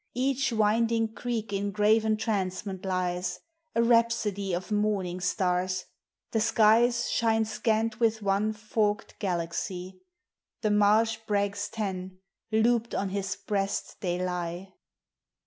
Each winding creek in grave entrancement lies, A rhapsody of morning stars. The skies ►Shine scant with one forked galaxy — The marsh brags ten ; looped on his breast they lie.